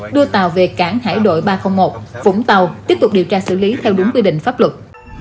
đưa tàu về cảng hải đội ba trăm linh một vũng tàu tiếp tục điều tra xử lý theo đúng quy định pháp luật